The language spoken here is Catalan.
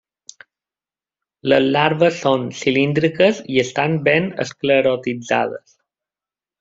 Les larves són cilíndriques i estan ben esclerotitzades.